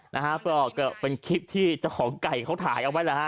มีคลิปที่เจ้าของไก่เขาถ่ายเอาไว้นะฮะ